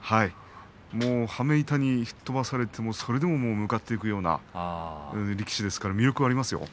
羽目板に吹っ飛ばされてもそれでも向かっていくような力士ですから魅力がありますよ。